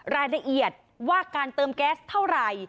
รายละเอียดว่าการเติมแก๊สเท่าไหร่